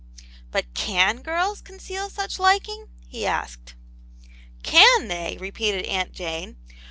'* But can girls conceal such liking ?" he asked. " Can they V repeated Aunt Jane.